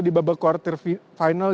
di babak quarter final